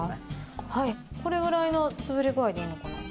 これぐらいのつぶれ具合でいいのかな。